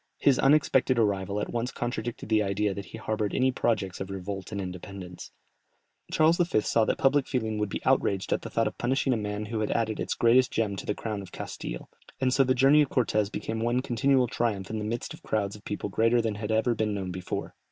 His unexpected arrival at once contradicted the idea that he harboured any projects of revolt and independence. Charles V. saw that public feeling would be outraged at the thought of punishing a man who had added its greatest gem to the crown of Castille, and so the journey of Cortès became one continual triumph in the midst of crowds of people greater than had been ever known before.